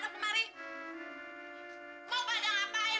tapi ya armour yang kehabisan